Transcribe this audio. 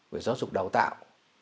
về giáo dục đào tạo